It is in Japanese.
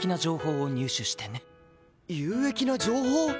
有益な情報？